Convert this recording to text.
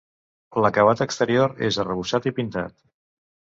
L'acabat exterior és arrebossat i pintat.